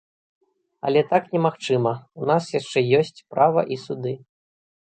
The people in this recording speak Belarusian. Але так немагчыма, у нас яшчэ ёсць права і суды.